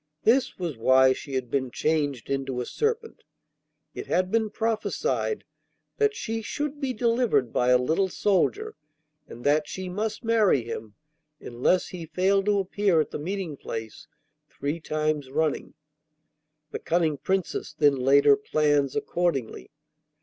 This was why she had been changed into a serpent. It had been prophesied that she should be delivered by a little soldier, and that she must marry him, unless he failed to appear at the meeting place three times running. The cunning Princess then laid her plans accordingly.